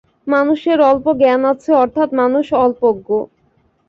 মানুষের অল্প জ্ঞান আছে অর্থাৎ মানুষ অল্পজ্ঞ।